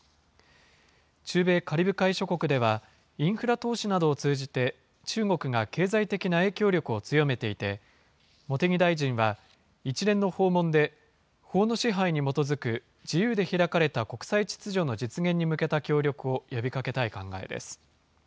中米カリブ海諸国では、インフラ投資などを通じて、中国が経済的な影響力を強めていて、茂木大臣は、一連の訪問で、法の支配に基づく自由で開かれた国際秩序の実現に向けた協力を呼びかけたい考えです。